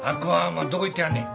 今どこ行ってはんねん。